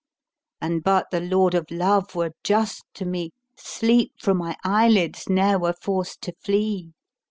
An but the Lord of Love were just to me, * Sleep fro' my eyelids ne'er were forced to flee.